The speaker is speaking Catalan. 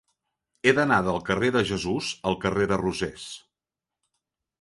He d'anar del carrer de Jesús al carrer de Rosés.